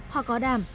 hò có đàm